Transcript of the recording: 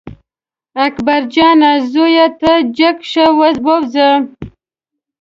اکبر جانه زویه ته جګ شه ووځه.